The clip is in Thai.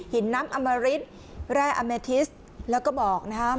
หินน้ำอมริตแร่อเมทิสแล้วก็บอกนะครับ